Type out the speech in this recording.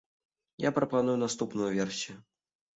Я прапаную наступную версію.